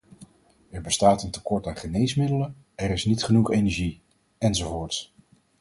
Er bestaat een tekort aan geneesmiddelen, er is niet genoeg energie, enz.